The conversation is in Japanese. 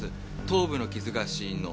頭部の傷が死因の。